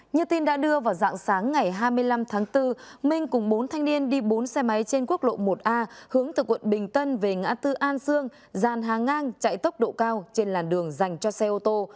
như tin đã đưa vào dạng sáng ngày hai mươi năm tháng bốn minh cùng bốn thanh niên đi bốn xe máy trên quốc lộ một a hướng từ quận bình tân về ngã tư an sương dàn hàng ngang chạy tốc độ cao trên làn đường dành cho xe ô tô